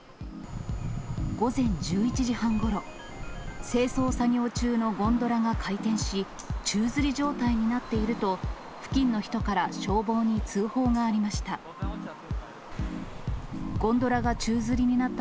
午前１１時半ごろ、清掃作業中のゴンドラが回転し、宙づり状態になっていると、付近の人から消防に通報がありました。